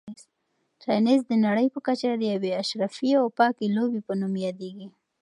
تېنس د نړۍ په کچه د یوې اشرافي او پاکې لوبې په نوم یادیږي.